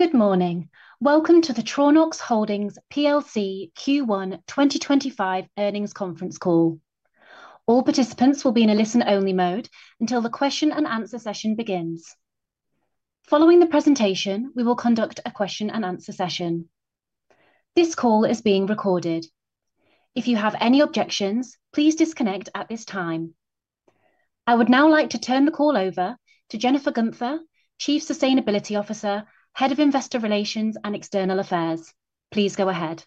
Good morning. Welcome to the Tronox Holdings Plc Q1 2025 Earnings Conference Call. All participants will be in a listen-only mode until the question-and-answer session begins. Following the presentation, we will conduct a question-and-answer session. This call is being recorded. If you have any objections, please disconnect at this time. I would now like to turn the call over to Jennifer Guenther, Chief Sustainability Officer, Head of Investor Relations and External Affairs. Please go ahead.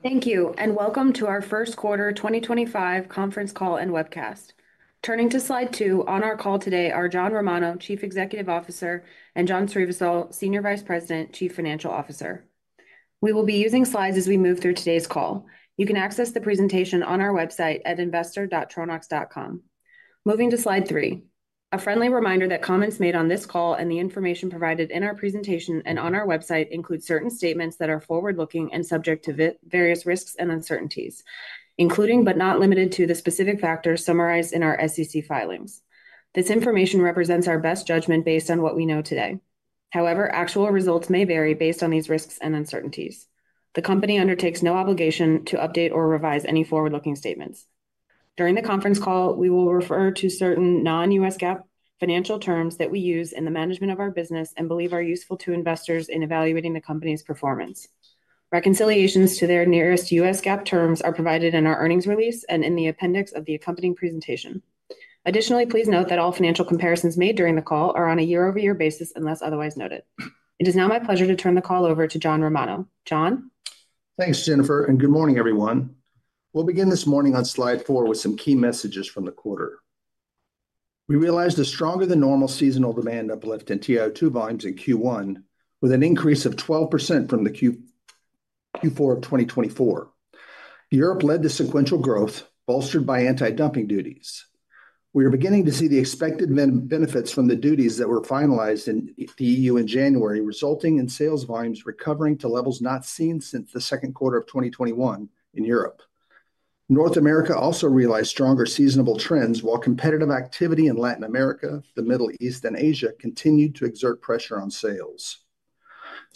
Thank you, and welcome to our First Quarter 2025 Conference Call and Webcast. Turning to slide two, on our call today are John Romano, Chief Executive Officer, and John Srivisal, Senior Vice President, Chief Financial Officer. We will be using slides as we move through today's call. You can access the presentation on our website at investor.tronox.com. Moving to slide three, a friendly reminder that comments made on this call and the information provided in our presentation and on our website include certain statements that are forward-looking and subject to various risks and uncertainties, including but not limited to the specific factors summarized in our SEC filings. This information represents our best judgment based on what we know today. However, actual results may vary based on these risks and uncertainties. The company undertakes no obligation to update or revise any forward-looking statements. During the conference call, we will refer to certain non-U.S. GAAP financial terms that we use in the management of our business and believe are useful to investors in evaluating the company's performance. Reconciliations to their nearest U.S. GAAP terms are provided in our earnings release and in the appendix of the accompanying presentation. Additionally, please note that all financial comparisons made during the call are on a year-over-year basis unless otherwise noted. It is now my pleasure to turn the call over to John Romano. John? Thanks, Jennifer, and good morning, everyone. We'll begin this morning on slide four with some key messages from the quarter. We realized a stronger-than-normal seasonal demand uplift in TiO2 volumes in Q1, with an increase of 12% from Q4 of 2024. Europe led to sequential growth, bolstered by anti-dumping duties. We are beginning to see the expected benefits from the duties that were finalized in the EU in January, resulting in sales volumes recovering to levels not seen since the second quarter of 2021 in Europe. North America also realized stronger seasonal trends, while competitive activity in Latin America, the Middle East, and Asia continued to exert pressure on sales.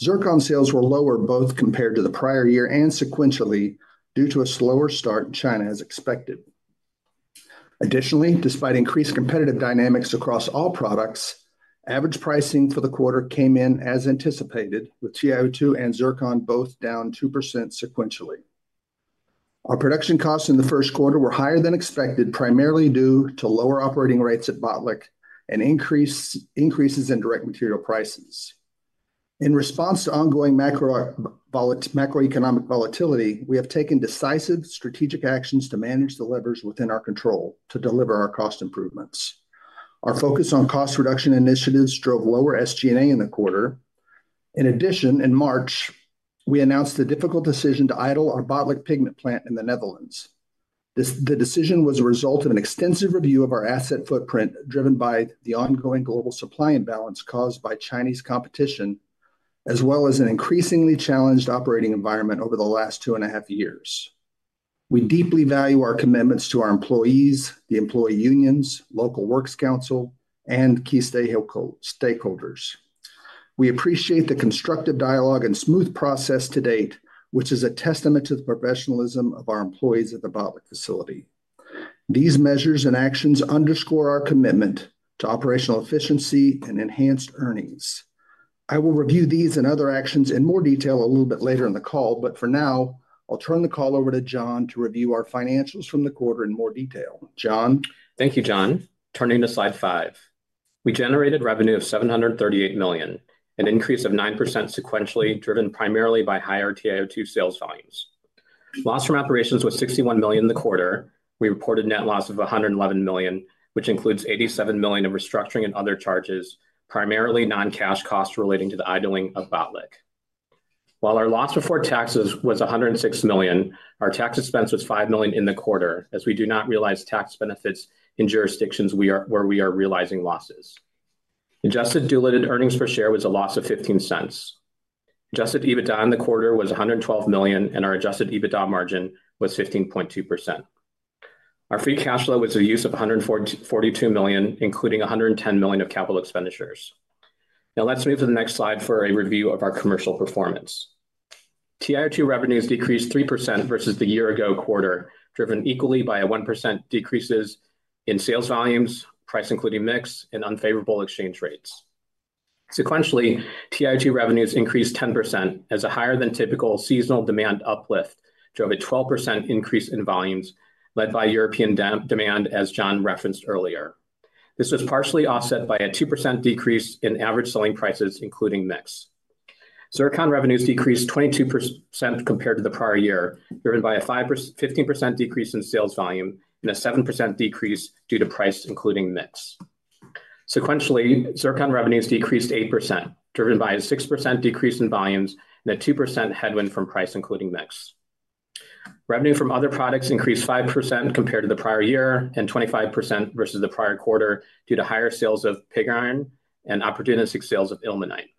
Zircon sales were lower both compared to the prior year and sequentially due to a slower start in China as expected. Additionally, despite increased competitive dynamics across all products, average pricing for the quarter came in as anticipated, with TiO2 and Zircon both down 2% sequentially. Our production costs in the first quarter were higher than expected, primarily due to lower operating rates at Botlek and increases in direct material prices. In response to ongoing macroeconomic volatility, we have taken decisive strategic actions to manage the levers within our control to deliver our cost improvements. Our focus on cost reduction initiatives drove lower SG&A in the quarter. In addition, in March, we announced the difficult decision to idle our Botlek pigment plant in the Netherlands. The decision was a result of an extensive review of our asset footprint driven by the ongoing global supply imbalance caused by Chinese competition, as well as an increasingly challenged operating environment over the last two and a half years. We deeply value our commitments to our employees, the employee unions, local works council, and key stakeholders. We appreciate the constructive dialogue and smooth process to date, which is a testament to the professionalism of our employees at the Botlek facility. These measures and actions underscore our commitment to operational efficiency and enhanced earnings. I will review these and other actions in more detail a little bit later in the call, but for now, I'll turn the call over to John to review our financials from the quarter in more detail. John? Thank you, John. Turning to slide five, we generated revenue of $738 million, an increase of 9% sequentially driven primarily by higher TiO2 sales volumes. Loss from operations was $61 million in the quarter. We reported net loss of $111 million, which includes $87 million of restructuring and other charges, primarily non-cash costs relating to the idling of Botlek. While our loss before taxes was $106 million, our tax expense was $5 million in the quarter, as we do not realize tax benefits in jurisdictions where we are realizing losses. Adjusted diluted earnings per share was a loss of $0.15. Adjusted EBITDA in the quarter was $112 million, and our adjusted EBITDA margin was 15.2%. Our free cash flow was a use of $142 million, including $110 million of capital expenditures. Now let's move to the next slide for a review of our commercial performance. TiO2 revenues decreased 3% versus the year-ago quarter, driven equally by 1% decreases in sales volumes, price including mix, and unfavorable exchange rates. Sequentially, TiO2 revenues increased 10% as a higher-than-typical seasonal demand uplift drove a 12% increase in volumes led by European demand, as John referenced earlier. This was partially offset by a 2% decrease in average selling prices, including mix. Zircon revenues decreased 22% compared to the prior year, driven by a 15% decrease in sales volume and a 7% decrease due to price, including mix. Sequentially, Zircon revenues decreased 8%, driven by a 6% decrease in volumes and a 2% headwind from price, including mix. Revenue from other products increased 5% compared to the prior year and 25% versus the prior quarter due to higher sales of pig iron and opportunistic sales of ilmenite.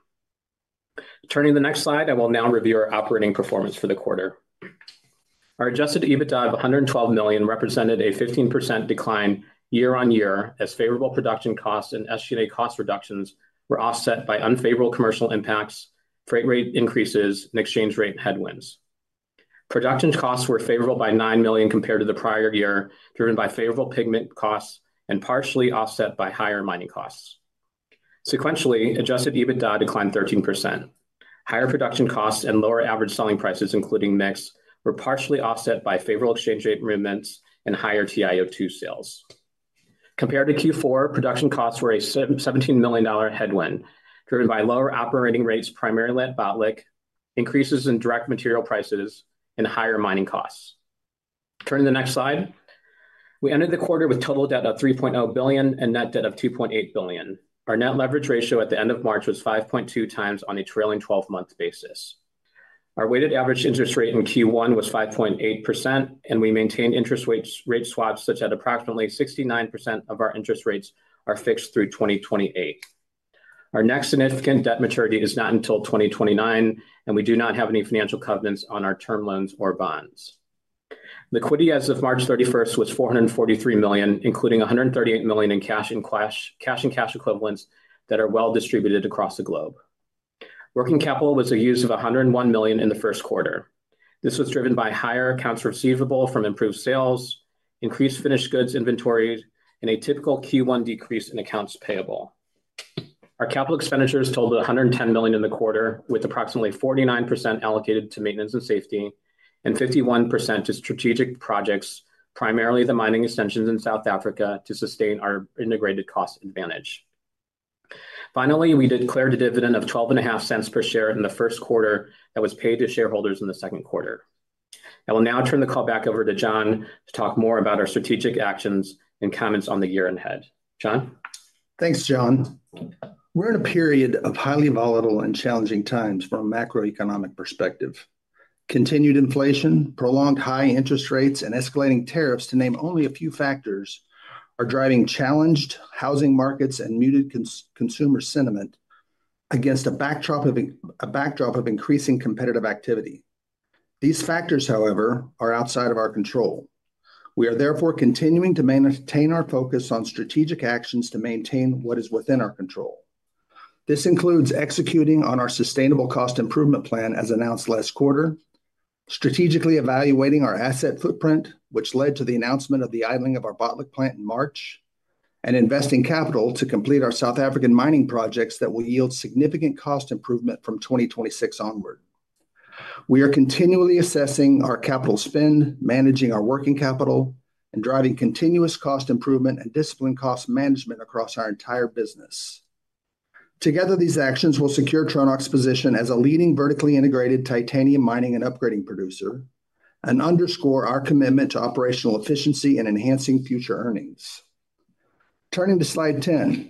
Turning to the next slide, I will now review our operating performance for the quarter. Our adjusted EBITDA of $112 million represented a 15% decline year-on-year as favorable production costs and SG&A cost reductions were offset by unfavorable commercial impacts, freight rate increases, and exchange rate headwinds. Production costs were favorable by $9 million compared to the prior year, driven by favorable pigment costs and partially offset by higher mining costs. Sequentially, adjusted EBITDA declined 13%. Higher production costs and lower average selling prices, including mix, were partially offset by favorable exchange rate movements and higher TiO2 sales. Compared to Q4, production costs were a $17 million headwind, driven by lower operating rates primarily at Botlek, increases in direct material prices, and higher mining costs. Turning to the next slide, we ended the quarter with total debt of $3.0 billion and net debt of $2.8 billion. Our net leverage ratio at the end of March was 5.2x on a trailing 12-month basis. Our weighted average interest rate in Q1 was 5.8%, and we maintain interest rate swaps such that approximately 69% of our interest rates are fixed through 2028. Our next significant debt maturity is not until 2029, and we do not have any financial covenants on our term loans or bonds. Liquidity as of March 31 was $443 million, including $138 million in cash and cash equivalents that are well distributed across the globe. Working capital was a use of $101 million in the first quarter. This was driven by higher accounts receivable from improved sales, increased finished goods inventory, and a typical Q1 decrease in accounts payable. Our capital expenditures totaled $110 million in the quarter, with approximately 49% allocated to maintenance and safety and 51% to strategic projects, primarily the mining extensions in South Africa, to sustain our integrated cost advantage. Finally, we declared a dividend of $12.50 per share in the first quarter that was paid to shareholders in the second quarter. I will now turn the call back over to John to talk more about our strategic actions and comments on the year ahead. John? Thanks, John. We're in a period of highly volatile and challenging times from a macroeconomic perspective. Continued inflation, prolonged high interest rates, and escalating tariffs, to name only a few factors, are driving challenged housing markets and muted consumer sentiment against a backdrop of increasing competitive activity. These factors, however, are outside of our control. We are therefore continuing to maintain our focus on strategic actions to maintain what is within our control. This includes executing on our sustainable cost improvement plan as announced last quarter, strategically evaluating our asset footprint, which led to the announcement of the idling of our Botlek plant in March, and investing capital to complete our South African mining projects that will yield significant cost improvement from 2026 onward. We are continually assessing our capital spend, managing our working capital, and driving continuous cost improvement and discipline cost management across our entire business. Together, these actions will secure Tronox's position as a leading vertically integrated titanium mining and upgrading producer and underscore our commitment to operational efficiency and enhancing future earnings. Turning to slide 10,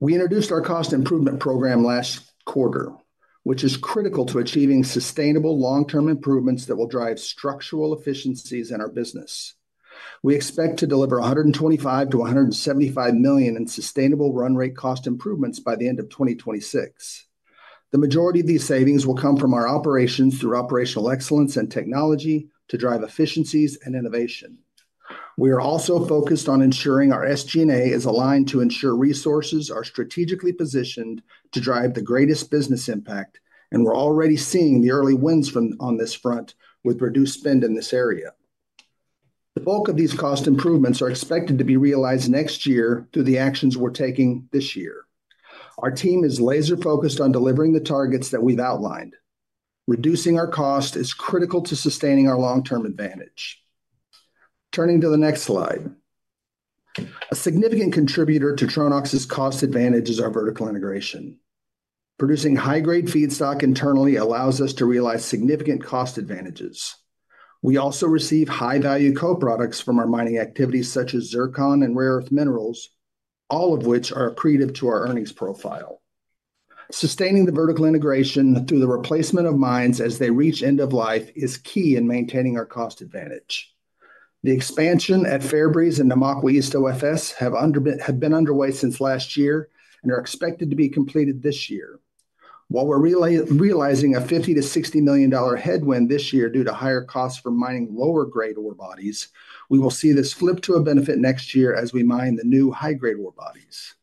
we introduced our cost improvement program last quarter, which is critical to achieving sustainable long-term improvements that will drive structural efficiencies in our business. We expect to deliver $125million-$175 million in sustainable run rate cost improvements by the end of 2026. The majority of these savings will come from our operations through operational excellence and technology to drive efficiencies and innovation. We are also focused on ensuring our SG&A is aligned to ensure resources are strategically positioned to drive the greatest business impact, and we're already seeing the early wins on this front with reduced spend in this area. The bulk of these cost improvements are expected to be realized next year through the actions we're taking this year. Our team is laser-focused on delivering the targets that we've outlined. Reducing our cost is critical to sustaining our long-term advantage. Turning to the next slide, a significant contributor to Tronox's cost advantage is our vertical integration. Producing high-grade feedstock internally allows us to realize significant cost advantages. We also receive high-value co-products from our mining activities, such as Zircon and rare earth minerals, all of which are accretive to our earnings profile. Sustaining the vertical integration through the replacement of mines as they reach end of life is key in maintaining our cost advantage. The expansion at Fairbreeze and Namakwa East OFS have been underway since last year and are expected to be completed this year. While we're realizing a $50 million-$60 million headwind this year due to higher costs for mining lower-grade ore bodies, we will see this flip to a benefit next year as we mine the new high-grade ore bodies.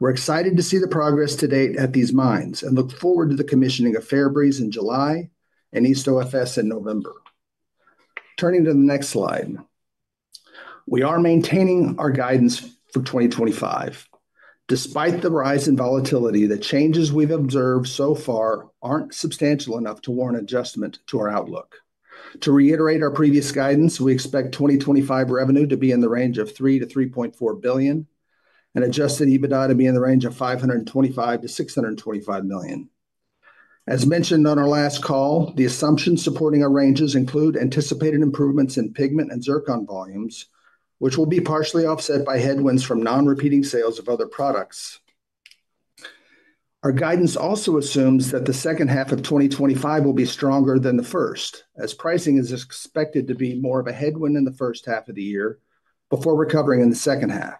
We're excited to see the progress to date at these mines and look forward to the commissioning of Fairbreeze in July and East OFS in November. Turning to the next slide, we are maintaining our guidance for 2025. Despite the rise in volatility, the changes we've observed so far aren't substantial enough to warrant adjustment to our outlook. To reiterate our previous guidance, we expect 2025 revenue to be in the range of $3 billion-$3.4 billion and adjusted EBITDA to be in the range of $525 million-$625 million. As mentioned on our last call, the assumptions supporting our ranges include anticipated improvements in pigment and Zircon volumes, which will be partially offset by headwinds from non-repeating sales of other products. Our guidance also assumes that the second half of 2025 will be stronger than the first, as pricing is expected to be more of a headwind in the first half of the year before recovering in the second half.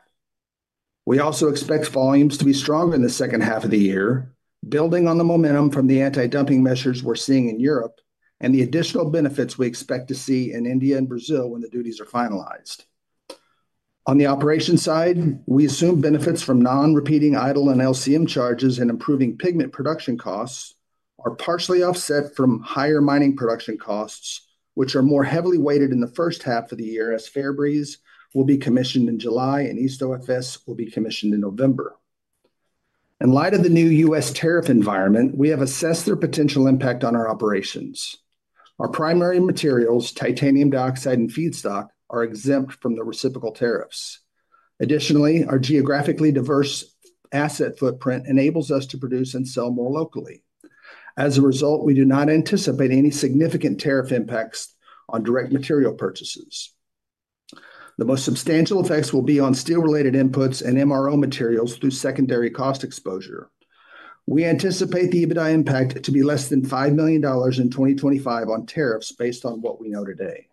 We also expect volumes to be stronger in the second half of the year, building on the momentum from the anti-dumping measures we're seeing in Europe and the additional benefits we expect to see in India and Brazil when the duties are finalized. On the operation side, we assume benefits from non-repeating idle and LCM charges and improving pigment production costs are partially offset from higher mining production costs, which are more heavily weighted in the first half of the year as Fairbreeze will be commissioned in July and East OFS will be commissioned in November. In light of the new U.S. tariff environment, we have assessed their potential impact on our operations. Our primary materials, titanium dioxide and feedstock, are exempt from the reciprocal tariffs. Additionally, our geographically diverse asset footprint enables us to produce and sell more locally. As a result, we do not anticipate any significant tariff impacts on direct material purchases. The most substantial effects will be on steel-related inputs and MRO materials through secondary cost exposure. We anticipate the EBITDA impact to be less than $5 million in 2025 on tariffs based on what we know today.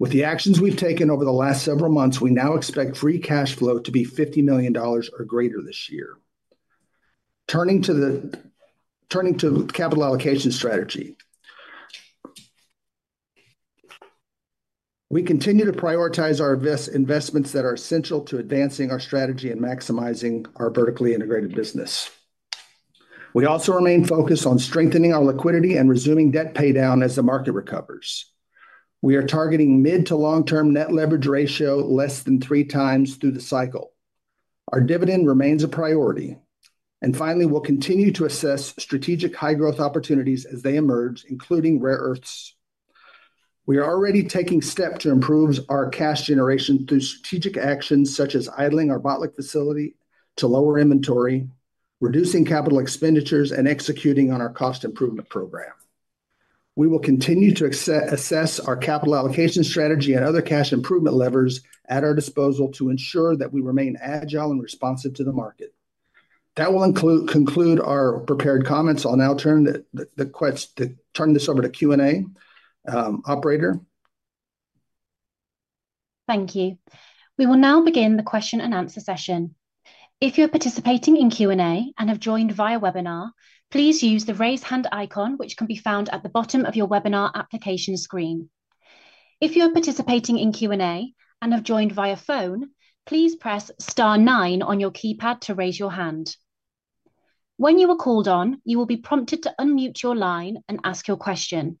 With the actions we've taken over the last several months, we now expect free cash flow to be $50 million or greater this year. Turning to capital allocation strategy, we continue to prioritize our investments that are essential to advancing our strategy and maximizing our vertically integrated business. We also remain focused on strengthening our liquidity and resuming debt paydown as the market recovers. We are targeting mid to long-term net leverage ratio less than three times through the cycle. Our dividend remains a priority. Finally, we'll continue to assess strategic high-growth opportunities as they emerge, including rare earths. We are already taking steps to improve our cash generation through strategic actions such as idling our Botlek facility to lower inventory, reducing capital expenditures, and executing on our cost improvement program. We will continue to assess our capital allocation strategy and other cash improvement levers at our disposal to ensure that we remain agile and responsive to the market. That will conclude our prepared comments. I'll now turn this over to Q&A operator. Thank you. We will now begin the question and answer session. If you're participating in Q&A and have joined via webinar, please use the raise hand icon, which can be found at the bottom of your webinar application screen. If you're participating in Q&A and have joined via phone, please press star nine on your keypad to raise your hand. When you are called on, you will be prompted to unmute your line and ask your question.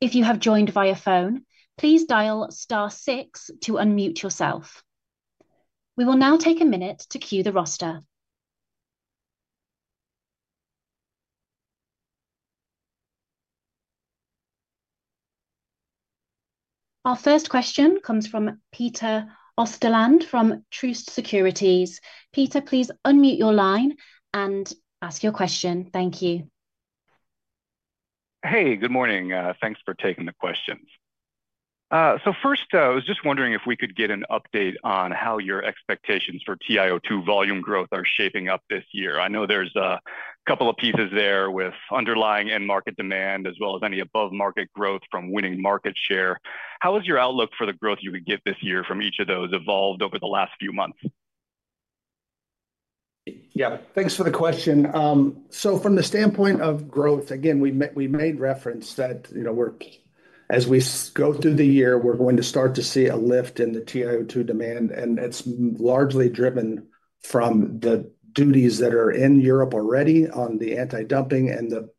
If you have joined via phone, please dial star six to unmute yourself. We will now take a minute to queue the roster. Our first question comes from Peter Osterland from Truist Securities. Peter, please unmute your line and ask your question. Thank you. Hey, good morning. Thanks for taking the questions. First, I was just wondering if we could get an update on how your expectations for TiO2 volume growth are shaping up this year. I know there's a couple of pieces there with underlying end market demand as well as any above-market growth from winning market share. How has your outlook for the growth you would get this year from each of those evolved over the last few months? Yeah, thanks for the question. From the standpoint of growth, again, we made reference that as we go through the year, we're going to start to see a lift in the TiO2 demand, and it's largely driven from the duties that are in Europe already on the anti-dumping and the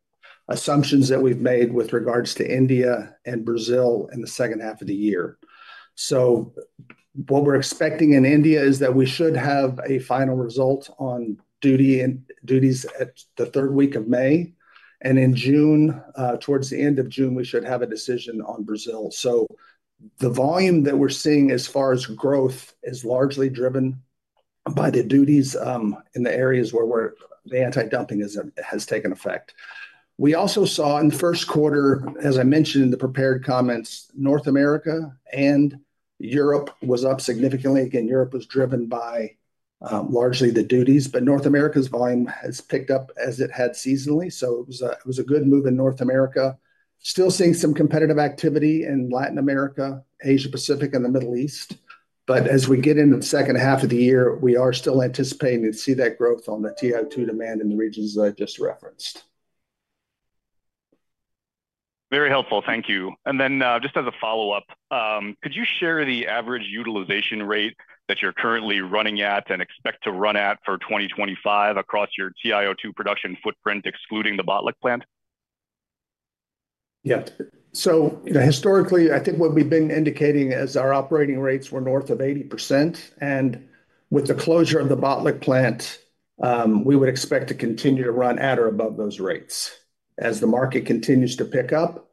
assumptions that we've made with regards to India and Brazil in the second half of the year. What we're expecting in India is that we should have a final result on duties at the third week of May, and in June, towards the end of June, we should have a decision on Brazil. The volume that we're seeing as far as growth is largely driven by the duties in the areas where the anti-dumping has taken effect. We also saw in the first quarter, as I mentioned in the prepared comments, North America and Europe was up significantly. Again, Europe was driven by largely the duties, but North America's volume has picked up as it had seasonally. It was a good move in North America. Still seeing some competitive activity in Latin America, Asia-Pacific, and the Middle East. As we get into the second half of the year, we are still anticipating to see that growth on the TiO2 demand in the regions that I just referenced. Very helpful. Thank you. Just as a follow-up, could you share the average utilization rate that you're currently running at and expect to run at for 2025 across your TiO2 production footprint, excluding the Botlek plant? Yeah. Historically, I think what we've been indicating is our operating rates were north of 80%. With the closure of the Botlek plant, we would expect to continue to run at or above those rates. As the market continues to pick up,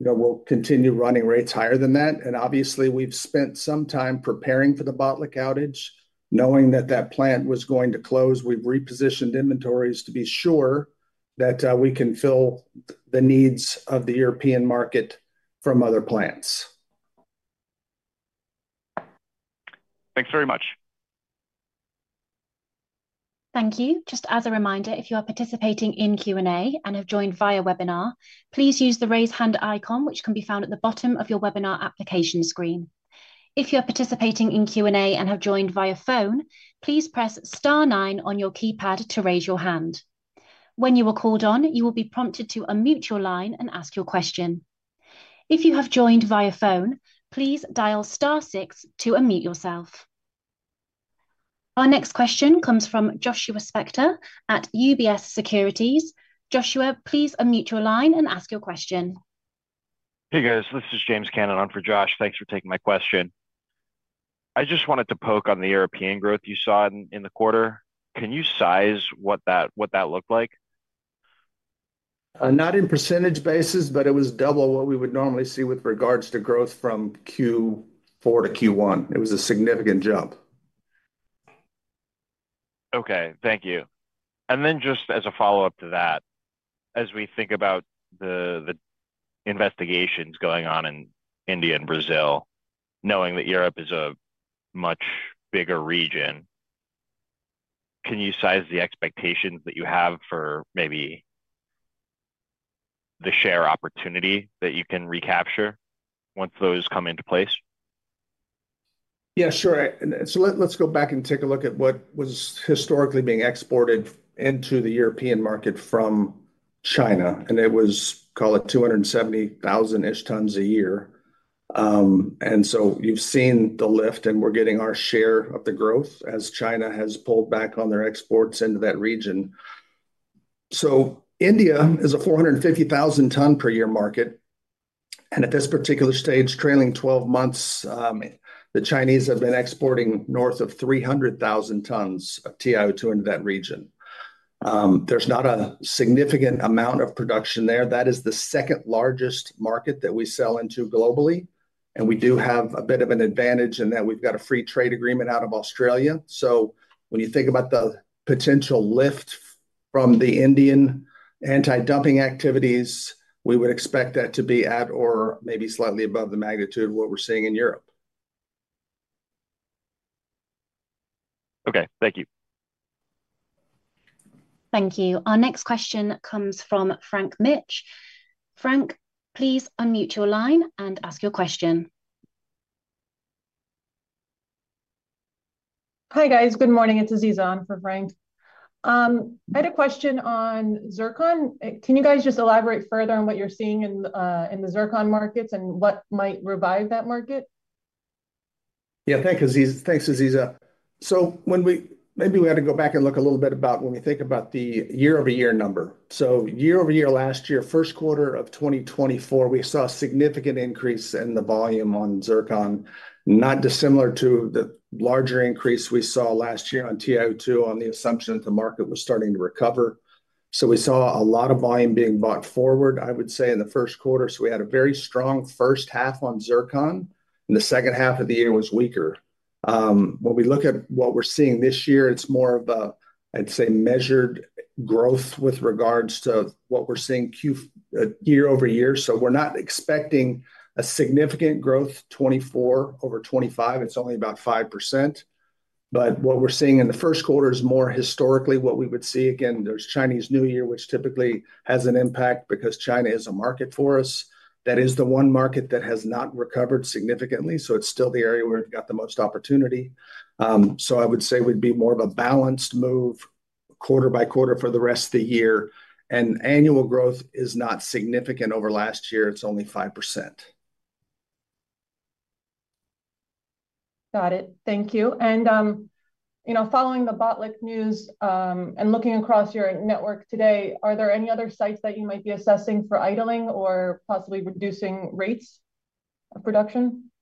we'll continue running rates higher than that. Obviously, we've spent some time preparing for the Botlek outage. Knowing that that plant was going to close, we've repositioned inventories to be sure that we can fill the needs of the European market from other plants. Thanks very much. Thank you. Just as a reminder, if you are participating in Q&A and have joined via webinar, please use the raise hand icon, which can be found at the bottom of your webinar application screen. If you are participating in Q&A and have joined via phone, please press star nine on your keypad to raise your hand. When you are called on, you will be prompted to unmute your line and ask your question. If you have joined via phone, please dial star six to unmute yourself. Our next question comes from Joshua Spector at UBS Securities. Joshua, please unmute your line and ask your question. Hey, guys. This is James Cannon on for Josh. Thanks for taking my question. I just wanted to poke on the European growth you saw in the quarter. Can you size what that looked like? Not in percentage basis, but it was double what we would normally see with regards to growth from Q4 to Q1. It was a significant jump. Okay. Thank you. Just as a follow-up to that, as we think about the investigations going on in India and Brazil, knowing that Europe is a much bigger region, can you size the expectations that you have for maybe the share opportunity that you can recapture once those come into place? Yeah, sure. Let's go back and take a look at what was historically being exported into the European market from China. It was, call it, 270,000-ish tons a year. You have seen the lift, and we're getting our share of the growth as China has pulled back on their exports into that region. India is a 450,000-ton-per-year market. At this particular stage, trailing 12 months, the Chinese have been exporting north of 300,000 tons of TiO2 into that region. There is not a significant amount of production there. That is the second largest market that we sell into globally. We do have a bit of an advantage in that we've got a free trade agreement out of Australia. When you think about the potential lift from the Indian anti-dumping activities, we would expect that to be at or maybe slightly above the magnitude of what we're seeing in Europe. Okay. Thank you. Thank you. Our next question comes from Frank Mitsch. Frank, please unmute your line and ask your question. Hi, guys. Good morning. It's Aziza on for Frank. I had a question on Zircon. Can you guys just elaborate further on what you're seeing in the Zircon markets and what might revive that market? Yeah, thanks, Aziza. Maybe we had to go back and look a little bit about when we think about the year-over-year number. Year-over-year last year, first quarter of 2024, we saw a significant increase in the volume on Zircon, not dissimilar to the larger increase we saw last year on TiO2 on the assumption that the market was starting to recover. We saw a lot of volume being bought forward, I would say, in the first quarter. We had a very strong first half on Zircon. The second half of the year was weaker. When we look at what we're seeing this year, it's more of a, I'd say, measured growth with regards to what we're seeing year-over-year. We're not expecting a significant growth 2024 over 2025. It's only about 5%. What we're seeing in the first quarter is more historically what we would see. Again, there's Chinese New Year, which typically has an impact because China is a market for us. That is the one market that has not recovered significantly. It is still the area where we've got the most opportunity. I would say it would be more of a balanced move quarter by quarter for the rest of the year. Annual growth is not significant over last year. It is only 5%. Got it. Thank you. Following the Botlek news and looking across your network today, are there any other sites that you might be assessing for idling or possibly reducing rates of production?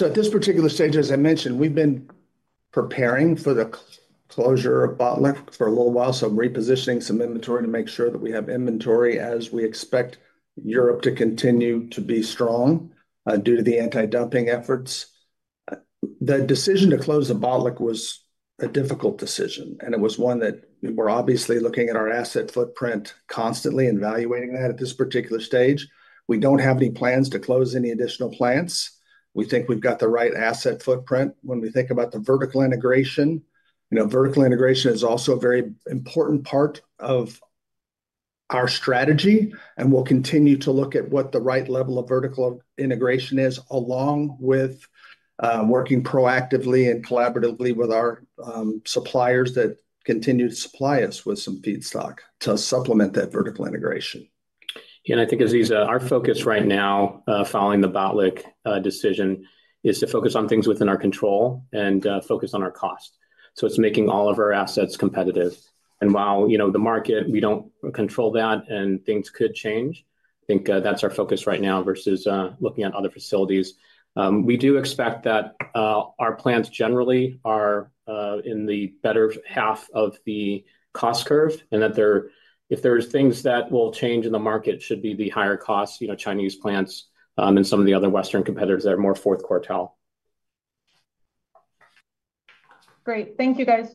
At this particular stage, as I mentioned, we've been preparing for the closure of Botlek for a little while. Repositioning some inventory to make sure that we have inventory as we expect Europe to continue to be strong due to the anti-dumping efforts. The decision to close Botlek was a difficult decision. It was one that we were obviously looking at our asset footprint constantly and evaluating that at this particular stage. We don't have any plans to close any additional plants. We think we've got the right asset footprint. When we think about the vertical integration, vertical integration is also a very important part of our strategy. We'll continue to look at what the right level of vertical integration is along with working proactively and collaboratively with our suppliers that continue to supply us with some feedstock to supplement that vertical integration. Yeah. I think, Aziza, our focus right now following the Botlek decision is to focus on things within our control and focus on our cost. It is making all of our assets competitive. While the market, we do not control that and things could change, I think that is our focus right now versus looking at other facilities. We do expect that our plants generally are in the better half of the cost curve and that if there are things that will change in the market, it should be the higher-cost Chinese plants and some of the other Western competitors that are more fourth quartile. Great. Thank you, guys.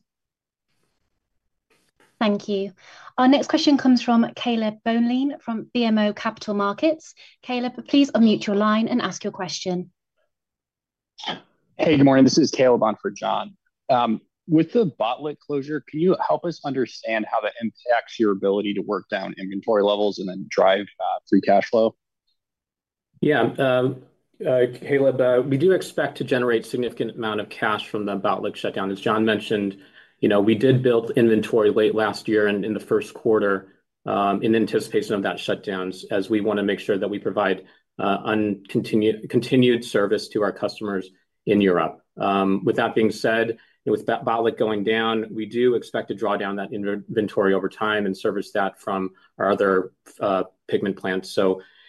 Thank you. Our next question comes from Caleb Boehnlein from BMO Capital Markets. Caleb, please unmute your line and ask your question. Hey, good morning. This is Caleb on for John. With the Botlek closure, can you help us understand how that impacts your ability to work down inventory levels and then drive free cash flow? Yeah. Caleb, we do expect to generate a significant amount of cash from the Botlek shutdown. As John mentioned, we did build inventory late last year and in the first quarter in anticipation of that shutdown as we want to make sure that we provide continued service to our customers in Europe. With that being said, with Botlek going down, we do expect to draw down that inventory over time and service that from our other pigment plants.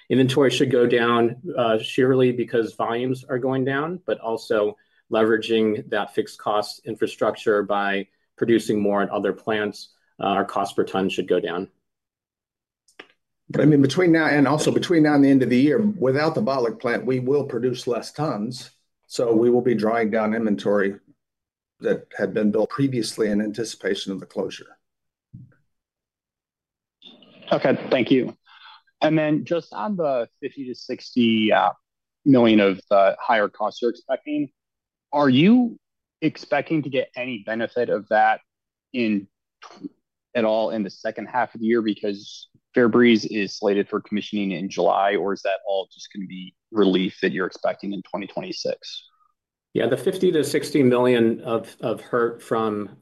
Inventory should go down purely because volumes are going down, but also leveraging that fixed-cost infrastructure by producing more at other plants, our cost per ton should go down. I mean, between now and also between now and the end of the year, without the Botlek plant, we will produce less tons. We will be drawing down inventory that had been built previously in anticipation of the closure. Okay. Thank you. Just on the $50 million-$60 million of the higher costs you're expecting, are you expecting to get any benefit of that at all in the second half of the year because Fairbreeze is slated for commissioning in July, or is that all just going to be relief that you're expecting in 2026? Yeah. The $50 million-$60 million of hurt from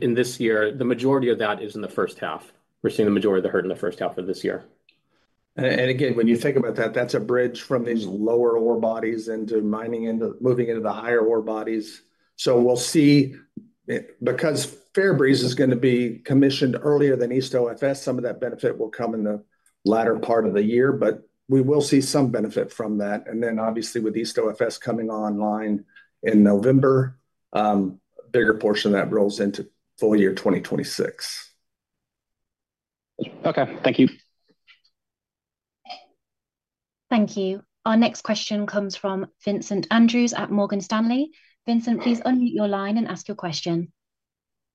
in this year, the majority of that is in the first half. We're seeing the majority of the hurt in the first half of this year. When you think about that, that's a bridge from these lower ore bodies into mining and moving into the higher ore bodies. We will see because Fairbreeze is going to be commissioned earlier than East OFS, some of that benefit will come in the latter part of the year, but we will see some benefit from that. Obviously with East OFS coming online in November, a bigger portion of that rolls into full year 2026. Okay. Thank you. Thank you. Our next question comes from Vincent Andrews at Morgan Stanley. Vincent, please unmute your line and ask your question.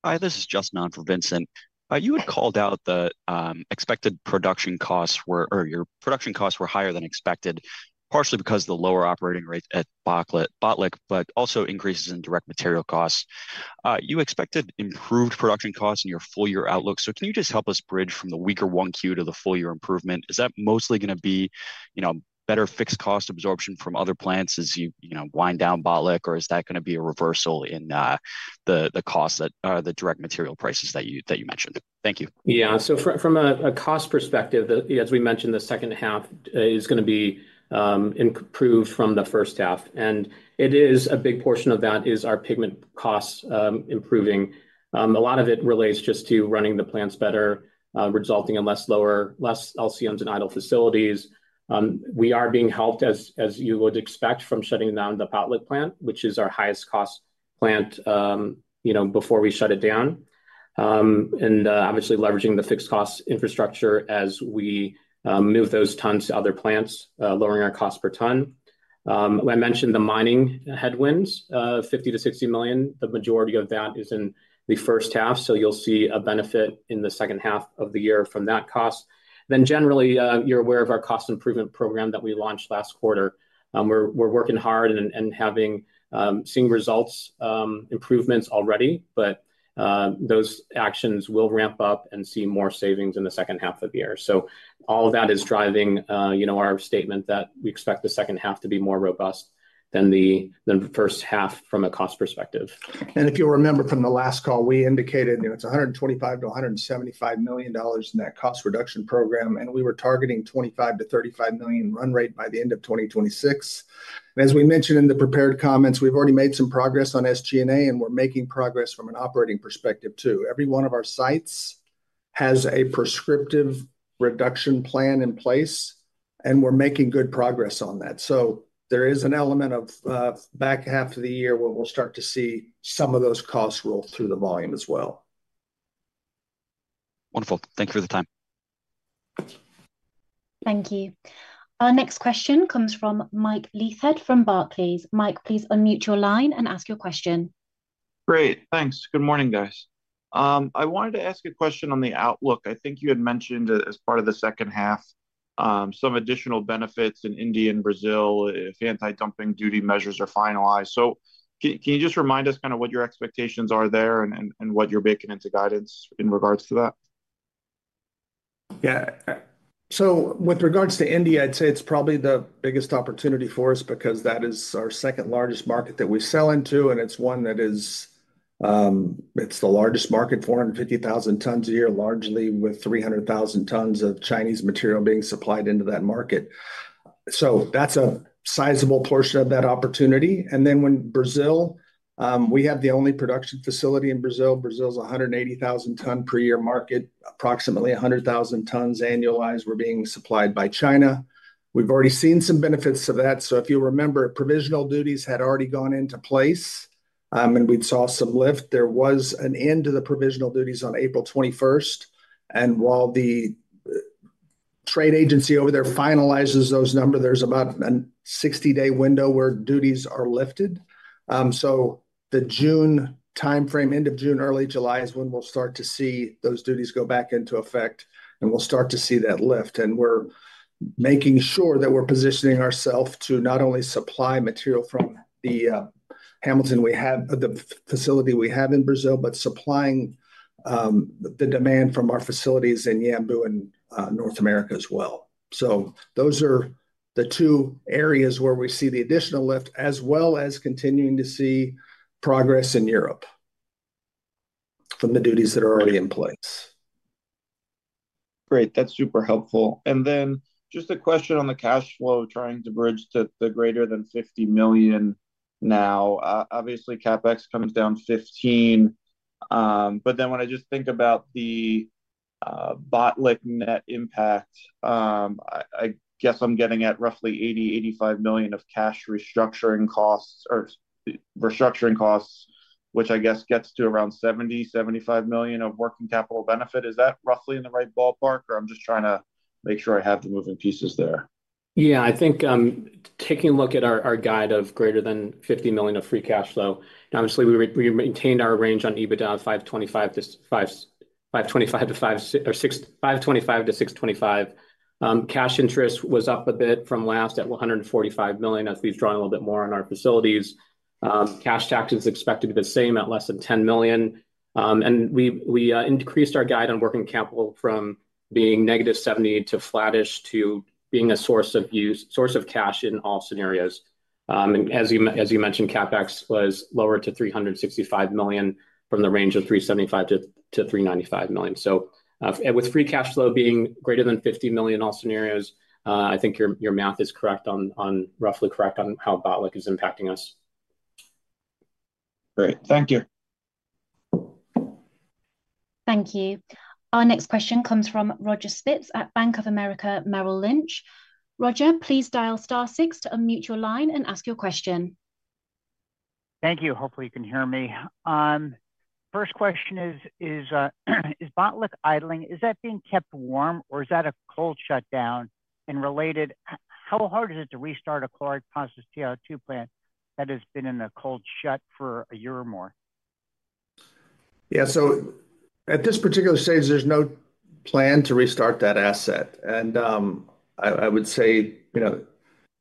Hi. This is Justin on for Vincent. You had called out that expected production costs were or your production costs were higher than expected, partially because of the lower operating rates at Botlek, but also increases in direct material costs. You expected improved production costs in your full year outlook. Can you just help us bridge from the weaker 1Q to the full year improvement? Is that mostly going to be better fixed-cost absorption from other plants as you wind down Botlek, or is that going to be a reversal in the costs that are the direct material prices that you mentioned? Thank you. Yeah. From a cost perspective, as we mentioned, the second half is going to be improved from the first half. A big portion of that is our pigment costs improving. A lot of it relates just to running the plants better, resulting in less lower, less LCMs in idle facilities. We are being helped, as you would expect, from shutting down the Botlek plant, which is our highest-cost plant before we shut it down. Obviously leveraging the fixed-cost infrastructure as we move those tons to other plants, lowering our cost per ton. I mentioned the mining headwinds, $50 million-$60 million. The majority of that is in the first half. You will see a benefit in the second half of the year from that cost. Generally, you are aware of our cost improvement program that we launched last quarter. We're working hard and seeing results, improvements already, but those actions will ramp up and see more savings in the second half of the year. All of that is driving our statement that we expect the second half to be more robust than the first half from a cost perspective. If you remember from the last call, we indicated it's $125 million-$175 million in that cost reduction program. We were targeting $25 million-$35 million run rate by the end of 2026. As we mentioned in the prepared comments, we've already made some progress on SG&A, and we're making progress from an operating perspective too. Every one of our sites has a prescriptive reduction plan in place, and we're making good progress on that. There is an element of back half of the year where we'll start to see some of those costs roll through the volume as well. Wonderful. Thank you for the time. Thank you. Our next question comes from Mike Leithead from Barclays. Mike, please unmute your line and ask your question. Great. Thanks. Good morning, guys. I wanted to ask a question on the outlook. I think you had mentioned as part of the second half, some additional benefits in India and Brazil if anti-dumping duty measures are finalized. Can you just remind us kind of what your expectations are there and what you're baking into guidance in regards to that? Yeah. With regards to India, I'd say it's probably the biggest opportunity for us because that is our second largest market that we sell into. It's one that is the largest market, 450,000 tons a year, largely with 300,000 tons of Chinese material being supplied into that market. That's a sizable portion of that opportunity. When Brazil, we have the only production facility in Brazil. Brazil's a 180,000-ton per year market, approximately 100,000 tons annualized were being supplied by China. We've already seen some benefits of that. If you remember, provisional duties had already gone into place, and we saw some lift. There was an end to the provisional duties on April 21. While the trade agency over there finalizes those numbers, there's about a 60-day window where duties are lifted. The June timeframe, end of June, early July is when we'll start to see those duties go back into effect, and we'll start to see that lift. We're making sure that we're positioning ourselves to not only supply material from the Hamilton we have, the facility we have in Brazil, but supplying the demand from our facilities in Yanbu and North America as well. Those are the two areas where we see the additional lift, as well as continuing to see progress in Europe from the duties that are already in place. Great. That's super helpful. Then just a question on the cash flow, trying to bridge to the greater than $50 million now. Obviously, CapEx comes down $15 million. When I just think about the Botlek net impact, I guess I'm getting at roughly $80 million-$85 million of cash restructuring costs or restructuring costs, which I guess gets to around $70 million-$75 million of working capital benefit. Is that roughly in the right ballpark, or I'm just trying to make sure I have the moving pieces there? Yeah. I think taking a look at our guide of greater than $50 million of free cash flow, obviously we maintained our range on EBITDA of $525 million-$625 million. Cash interest was up a bit from last at $145 million. As we've drawn a little bit more on our facilities, cash taxes expected to be the same at less than $10 million. We increased our guide on working capital from being $-70 million to flattish to being a source of cash in all scenarios. As you mentioned, CapEx was lowered to $365 million from the range of $375 million-$395 million. With free cash flow being greater than $50 million in all scenarios, I think your math is correct on roughly correct on how Botlek is impacting us. Great. Thank you. Thank you. Our next question comes from Roger Spitz at Bank of America Merrill Lynch. Roger, please dial star six to unmute your line and ask your question. Thank you. Hopefully, you can hear me. First question is, is Botlek idling, is that being kept warm or is that a cold shutdown? Related, how hard is it to restart a chloride process TiO2 plant that has been in a cold shut for a year or more? Yeah. At this particular stage, there's no plan to restart that asset. I would say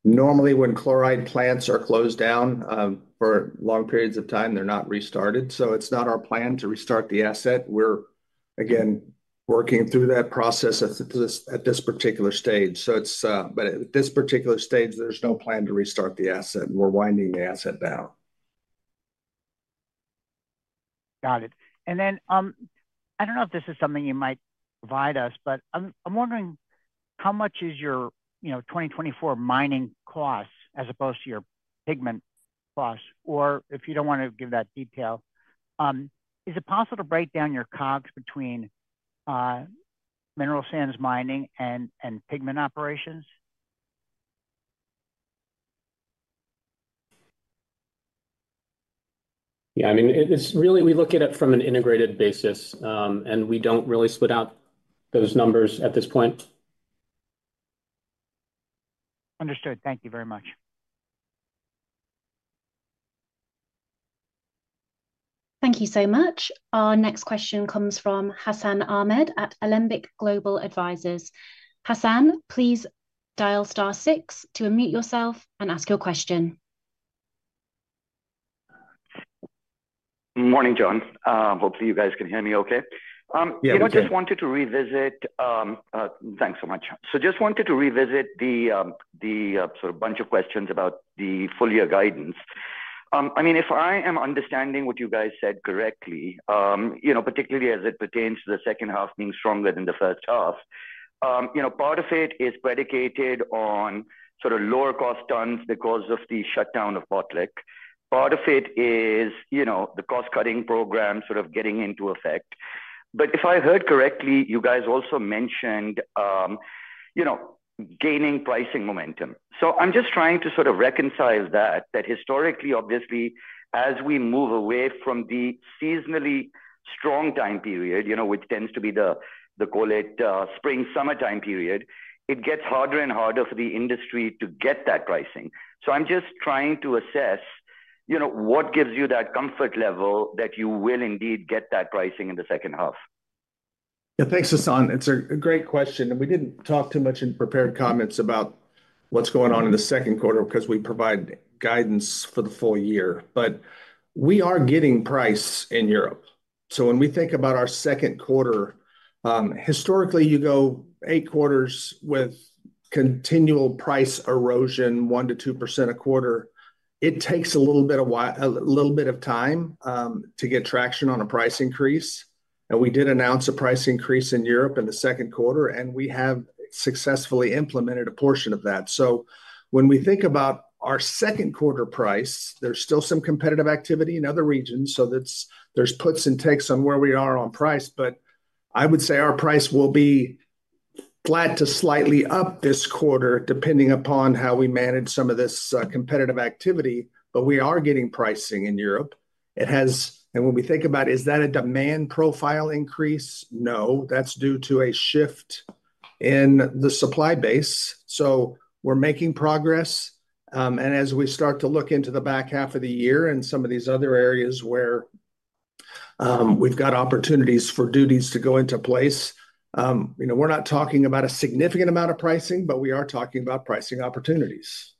normally when chloride plants are closed down for long periods of time, they're not restarted. It's not our plan to restart the asset. We're, again, working through that process at this particular stage. At this particular stage, there's no plan to restart the asset. We're winding the asset down. Got it. I don't know if this is something you might provide us, but I'm wondering how much is your 2024 mining costs as opposed to your pigment costs, or if you don't want to give that detail, is it possible to break down your COGS between mineral sands mining and pigment operations? Yeah. I mean, it's really we look at it from an integrated basis, and we don't really split out those numbers at this point. Understood. Thank you very much. Thank you so much. Our next question comes from Hassan Ahmed at Alembic Global Advisors. Hassan, please dial star six to unmute yourself and ask your question. Morning, John. Hopefully, you guys can hear me okay. Yeah. I just wanted to revisit, thanks so much. I just wanted to revisit the sort of bunch of questions about the full year guidance. I mean, if I am understanding what you guys said correctly, particularly as it pertains to the second half being stronger than the first half, part of it is predicated on sort of lower cost tons because of the shutdown of Botlek. Part of it is the cost-cutting program sort of getting into effect. If I heard correctly, you guys also mentioned gaining pricing momentum. I am just trying to sort of reconcile that, that historically, obviously, as we move away from the seasonally strong time period, which tends to be the, call it, spring-summer time period, it gets harder and harder for the industry to get that pricing. I'm just trying to assess what gives you that comfort level that you will indeed get that pricing in the second half. Yeah. Thanks, Hassan. It's a great question. We did not talk too much in prepared comments about what's going on in the second quarter because we provide guidance for the full year. We are getting price in Europe. When we think about our second quarter, historically, you go eight quarters with continual price erosion, 1%-2% a quarter. It takes a little bit of time to get traction on a price increase. We did announce a price increase in Europe in the second quarter, and we have successfully implemented a portion of that. When we think about our second quarter price, there's still some competitive activity in other regions. There are puts and takes on where we are on price. I would say our price will be flat to slightly up this quarter, depending upon how we manage some of this competitive activity. We are getting pricing in Europe. When we think about, is that a demand profile increase? No, that is due to a shift in the supply base. We are making progress. As we start to look into the back half of the year and some of these other areas where we have opportunities for duties to go into place, we are not talking about a significant amount of pricing, but we are talking about pricing opportunities.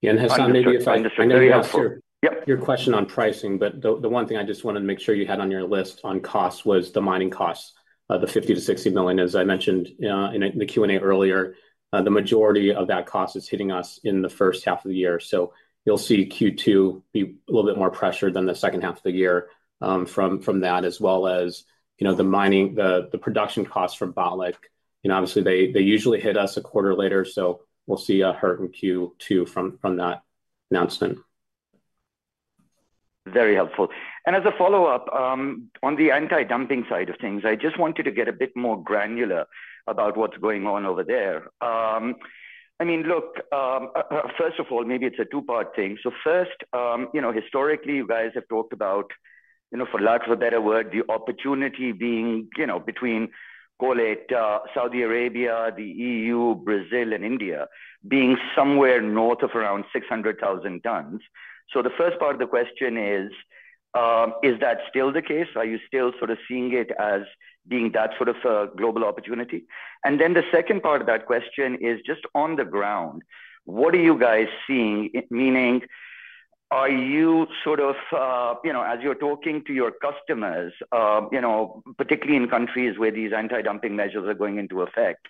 Yeah. Hassan, maybe if I can help you. Yep. Your question on pricing, but the one thing I just wanted to make sure you had on your list on costs was the mining costs, the $50 million-$60 million. As I mentioned in the Q&A earlier, the majority of that cost is hitting us in the first half of the year. You'll see Q2 be a little bit more pressure than the second half of the year from that, as well as the production costs for Botlek. Obviously, they usually hit us a quarter later. You'll see a hurt in Q2 from that announcement. Very helpful. As a follow-up, on the anti-dumping side of things, I just wanted to get a bit more granular about what's going on over there. I mean, look, first of all, maybe it's a two-part thing. First, historically, you guys have talked about, for lack of a better word, the opportunity being between, call it, Saudi Arabia, the EU, Brazil, and India being somewhere north of around 600,000 tons. The first part of the question is, is that still the case? Are you still sort of seeing it as being that sort of a global opportunity? The second part of that question is just on the ground, what are you guys seeing? Meaning, are you sort of, as you're talking to your customers, particularly in countries where these anti-dumping measures are going into effect,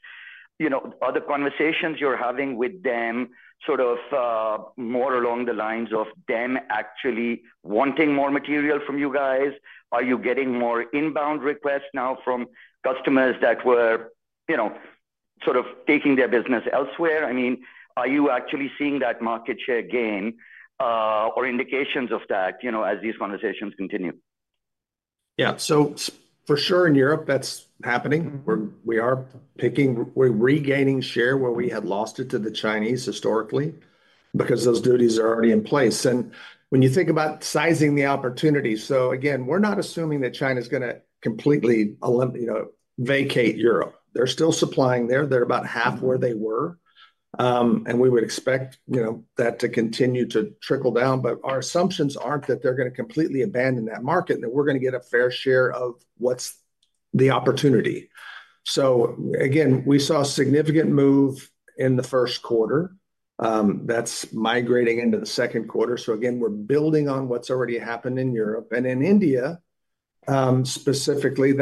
are the conversations you're having with them sort of more along the lines of them actually wanting more material from you guys? Are you getting more inbound requests now from customers that were sort of taking their business elsewhere? I mean, are you actually seeing that market share gain or indications of that as these conversations continue? Yeah. For sure, in Europe, that's happening. We are regaining share where we had lost it to the Chinese historically because those duties are already in place. When you think about sizing the opportunity, again, we're not assuming that China is going to completely vacate Europe. They're still supplying there. They're about half where they were. We would expect that to continue to trickle down. Our assumptions are not that they're going to completely abandon that market and that we're going to get a fair share of what's the opportunity. We saw a significant move in the first quarter that's migrating into the second quarter. We're building on what's already happened in Europe. In India, specifically,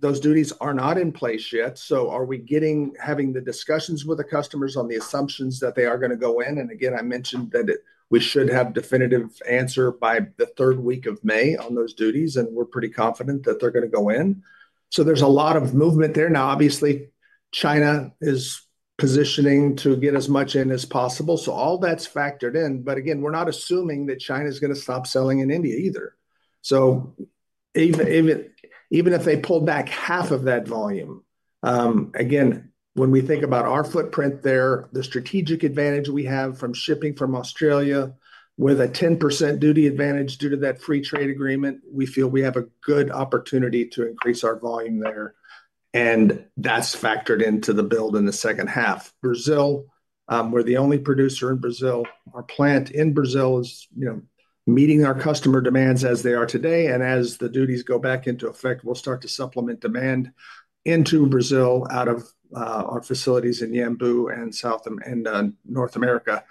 those duties are not in place yet. Are we having the discussions with the customers on the assumptions that they are going to go in? I mentioned that we should have a definitive answer by the third week of May on those duties, and we're pretty confident that they're going to go in. There is a lot of movement there. Obviously, China is positioning to get as much in as possible. All that's factored in. Again, we're not assuming that China is going to stop selling in India either. Even if they pull back half of that volume, when we think about our footprint there, the strategic advantage we have from shipping from Australia with a 10% duty advantage due to that free trade agreement, we feel we have a good opportunity to increase our volume there. That is factored into the build in the second half. Brazil, we are the only producer in Brazil. Our plant in Brazil is meeting our customer demands as they are today. As the duties go back into effect, we will start to supplement demand into Brazil out of our facilities in Yanbu and North America.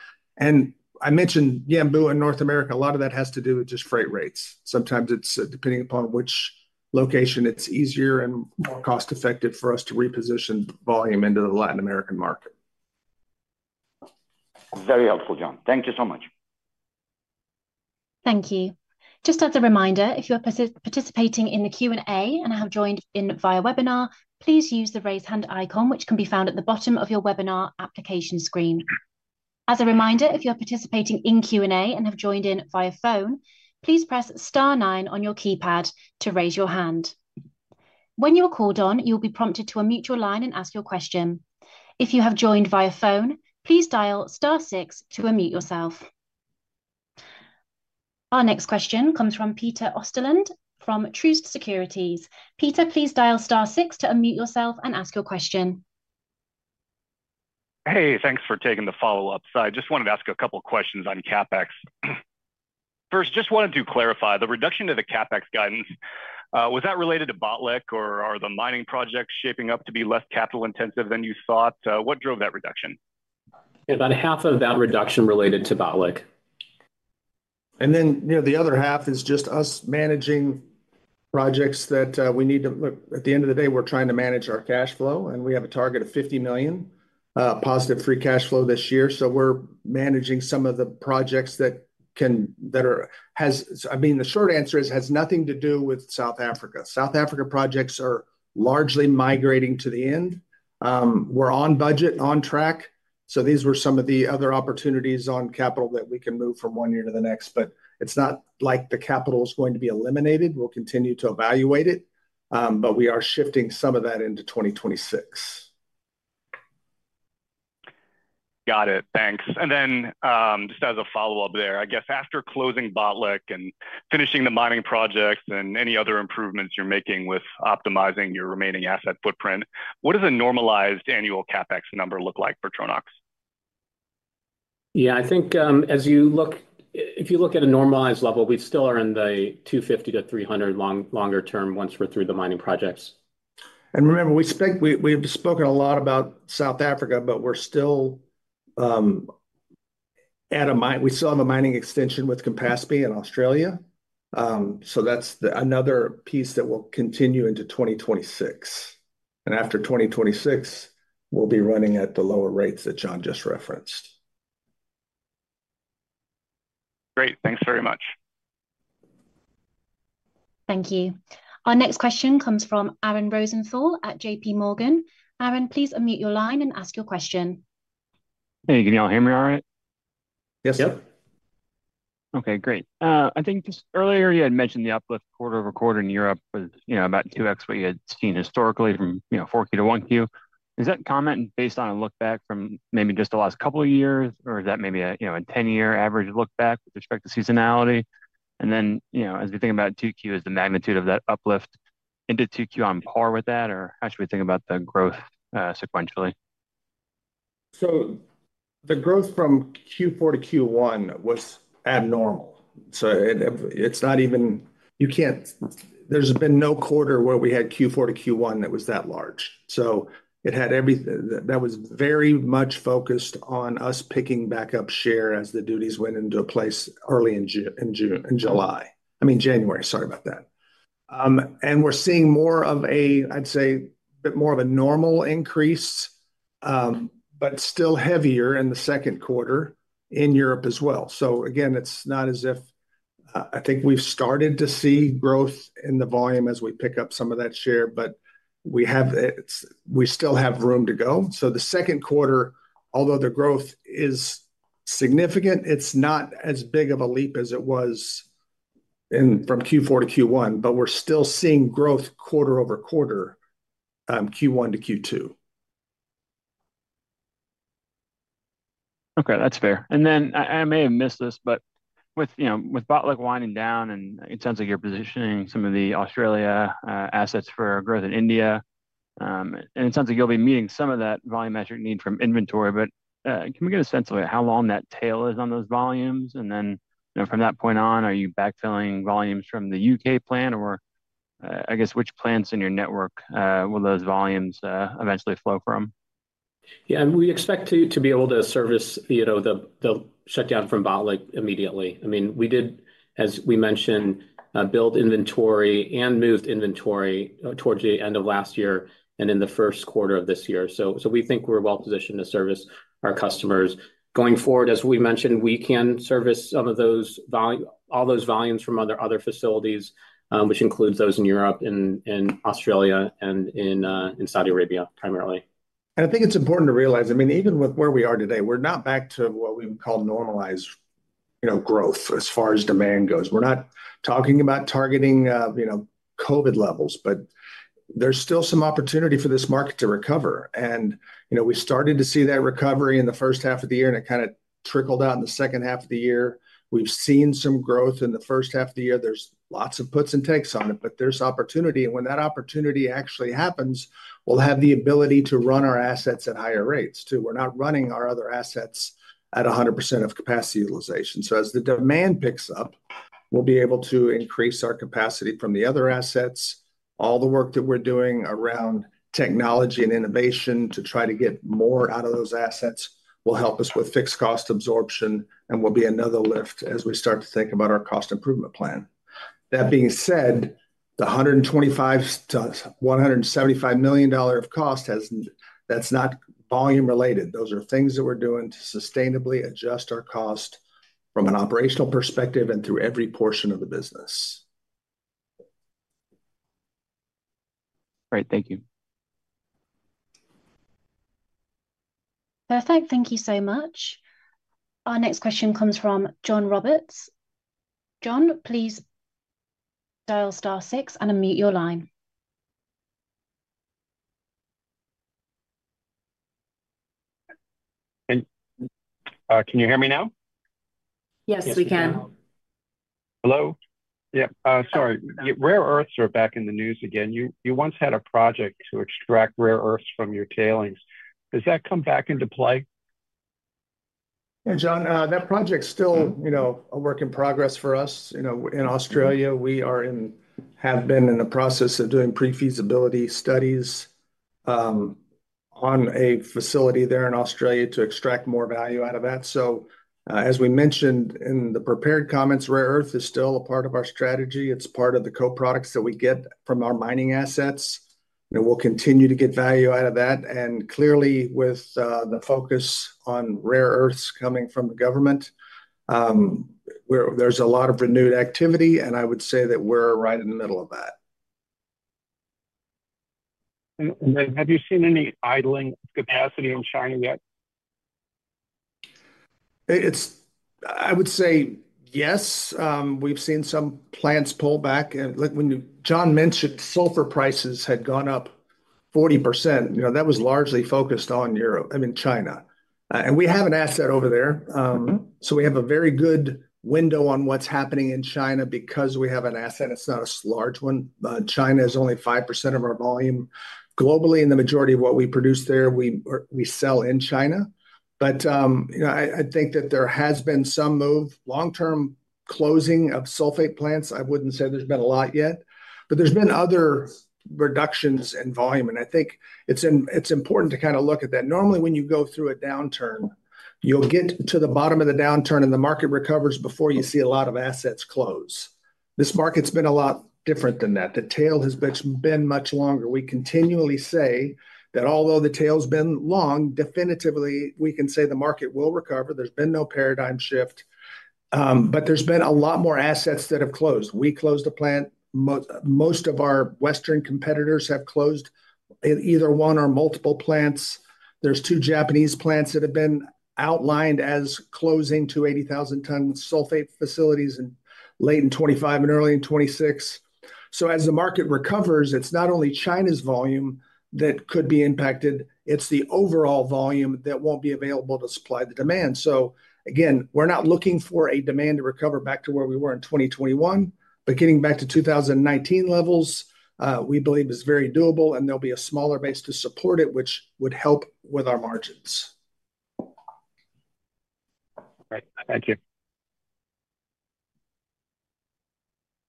I mentioned Yanbu and North America. A lot of that has to do with just freight rates. Sometimes it is depending upon which location it is easier and more cost-effective for us to reposition volume into the Latin American market. Very helpful, John. Thank you so much. Thank you. Just as a reminder, if you are participating in the Q&A and have joined in via webinar, please use the raise hand icon, which can be found at the bottom of your webinar application screen. As a reminder, if you are participating in Q&A and have joined in via phone, please press star 9 on your keypad to raise your hand. When you are called on, you will be prompted to unmute your line and ask your question. If you have joined via phone, please dial star 6 to unmute yourself. Our next question comes from Peter Osterland from Truist Securities. Peter, please dial star 6 to unmute yourself and ask your question. Hey, thanks for taking the follow-up. I just wanted to ask a couple of questions on CapEx. First, just wanted to clarify the reduction of the CapEx guidance. Was that related to Botlek, or are the mining projects shaping up to be less capital-intensive than you thought? What drove that reduction? About half of that reduction related to Botlek. The other half is just us managing projects that we need to look at. At the end of the day, we're trying to manage our cash flow, and we have a target of $50 million positive free cash flow this year. We're managing some of the projects that are, I mean, the short answer is it has nothing to do with South Africa. South Africa projects are largely migrating to the end. We're on budget, on track. These were some of the other opportunities on capital that we can move from one year to the next. It's not like the capital is going to be eliminated. We'll continue to evaluate it, but we are shifting some of that into 2026. Got it. Thanks. Just as a follow-up there, I guess after closing Botlek and finishing the mining projects and any other improvements you're making with optimizing your remaining asset footprint, what does a normalized annual CapEx number look like for Tronox? Yeah. I think if you look at a normalized level, we still are in the $250 million-$300 million longer term once we're through the mining projects. Remember, we've spoken a lot about South Africa, but we still have a mining extension with Campaspe in Australia. That is another piece that will continue into 2026. After 2026, we will be running at the lower rates that John just referenced. Great. Thanks very much. Thank you. Our next question comes from Aaron Rosenthal at JPMorgan. Aaron, please unmute your line and ask your question. Hey, can you all hear me all right? Yes. Yep. Okay. Great. I think just earlier, you had mentioned the uplift quarter over quarter in Europe was about 2x what you had seen historically from 4Q to 1Q. Is that comment based on a look back from maybe just the last couple of years, or is that maybe a 10-year average look back with respect to seasonality? As we think about 2Q, is the magnitude of that uplift into 2Q on par with that, or how should we think about the growth sequentially? The growth from Q4 to Q1 was abnormal. It is not even, there has been no quarter where we had Q4 to Q1 that was that large. That was very much focused on us picking back up share as the duties went into place early in January. Sorry about that. We are seeing more of a, I would say, a bit more of a normal increase, but still heavier in the second quarter in Europe as well. Again, it is not as if I think we have started to see growth in the volume as we pick up some of that share, but we still have room to go. The second quarter, although the growth is significant, is not as big of a leap as it was from Q4 to Q1, but we are still seeing growth quarter over quarter, Q1 to Q2. Okay. That's fair. I may have missed this, but with Botlek winding down, and it sounds like you're positioning some of the Australia assets for growth in India. It sounds like you'll be meeting some of that volumetric need from inventory. Can we get a sense of how long that tail is on those volumes? From that point on, are you backfilling volumes from the U.K. plant? I guess which plants in your network will those volumes eventually flow from? Yeah. We expect to be able to service the shutdown from Botlek immediately. I mean, we did, as we mentioned, build inventory and moved inventory towards the end of last year and in the first quarter of this year. We think we're well positioned to service our customers going forward. As we mentioned, we can service all those volumes from other facilities, which includes those in Europe and in Australia and in Saudi Arabia primarily. I think it's important to realize, I mean, even with where we are today, we're not back to what we would call normalized growth as far as demand goes. We're not talking about targeting COVID levels, but there's still some opportunity for this market to recover. We started to see that recovery in the first half of the year, and it kind of trickled out in the second half of the year. We've seen some growth in the first half of the year. There's lots of puts and takes on it, but there's opportunity. When that opportunity actually happens, we'll have the ability to run our assets at higher rates too. We're not running our other assets at 100% of capacity utilization. As the demand picks up, we'll be able to increase our capacity from the other assets. All the work that we're doing around technology and innovation to try to get more out of those assets will help us with fixed cost absorption, and will be another lift as we start to think about our cost improvement plan. That being said, the $125 million-$175 million of cost, that's not volume related. Those are things that we're doing to sustainably adjust our cost from an operational perspective and through every portion of the business. All right. Thank you. Perfect. Thank you so much. Our next question comes from John Roberts. John, please dial star six and unmute your line. Can you hear me now? Yes, we can. Hello? Yeah. Sorry. Rare earths are back in the news again. You once had a project to extract rare earths from your tailings. Has that come back into play? Yeah, John, that project's still a work in progress for us. In Australia, we have been in the process of doing pre-feasibility studies on a facility there in Australia to extract more value out of that. As we mentioned in the prepared comments, rare earth is still a part of our strategy. It's part of the co-products that we get from our mining assets. We'll continue to get value out of that. Clearly, with the focus on rare earths coming from the government, there's a lot of renewed activity, and I would say that we're right in the middle of that. Have you seen any idling capacity in China yet? I would say yes. We've seen some plants pull back. When John mentioned sulfur prices had gone up 40%, that was largely focused on China. We have an asset over there. We have a very good window on what's happening in China because we have an asset. It's not a large one. China is only 5% of our volume. Globally, in the majority of what we produce there, we sell in China. I think that there has been some move. Long-term closing of sulfate plants, I wouldn't say there's been a lot yet. There have been other reductions in volume. I think it's important to kind of look at that. Normally, when you go through a downturn, you'll get to the bottom of the downturn, and the market recovers before you see a lot of assets close. This market's been a lot different than that. The tail has been much longer. We continually say that although the tail's been long, definitively, we can say the market will recover. There's been no paradigm shift. There have been a lot more assets that have closed. We closed a plant. Most of our Western competitors have closed either one or multiple plants. There are two Japanese plants that have been outlined as closing, 280,000-ton sulfate facilities in late 2025 and early 2026. As the market recovers, it is not only China's volume that could be impacted. It is the overall volume that will not be available to supply the demand. We are not looking for demand to recover back to where we were in 2021. Getting back to 2019 levels, we believe, is very doable, and there will be a smaller base to support it, which would help with our margins. All right. Thank you.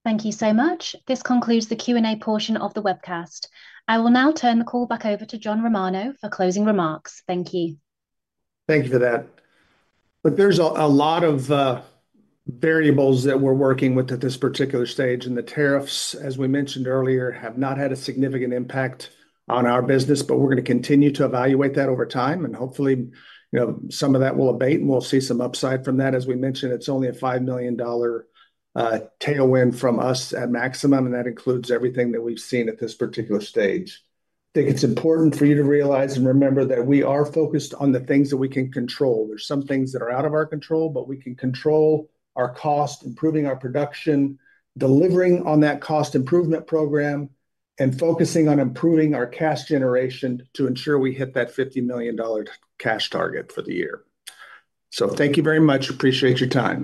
Thank you so much. This concludes the Q&A portion of the webcast. I will now turn the call back over to John Romano for closing remarks. Thank you. Thank you for that. Look, there's a lot of variables that we're working with at this particular stage. The tariffs, as we mentioned earlier, have not had a significant impact on our business, but we're going to continue to evaluate that over time. Hopefully, some of that will abate, and we'll see some upside from that. As we mentioned, it's only a $5 million tailwind for us at maximum, and that includes everything that we've seen at this particular stage. I think it's important for you to realize and remember that we are focused on the things that we can control. There are some things that are out of our control, but we can control our cost, improving our production, delivering on that cost improvement program, and focusing on improving our cash generation to ensure we hit that $50 million cash target for the year. Thank you very much. Appreciate your time.